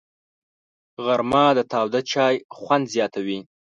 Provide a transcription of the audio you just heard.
غرمه د تاوده چای خوند زیاتوي